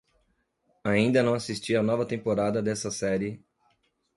Ainda não assisti a nova temporada dessa série